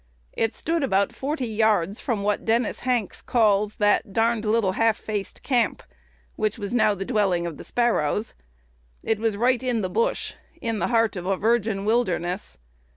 It stood about forty yards from what Dennis Hanks calls that "darned little half faced camp," which was now the dwelling of the Sparrows. It was "right in the bush," in the heart of a virgin wilderness.